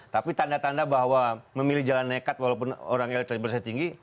tapi tanda tanda bahwa memilih jalan nekat walaupun orang elektabilitasnya tinggi